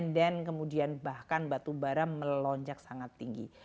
kemudian bahkan batu bara melonjak sangat tinggi